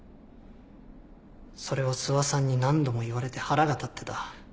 それを諏訪さんに何度も言われて腹が立ってた。